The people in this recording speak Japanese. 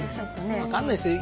分かんないですよ。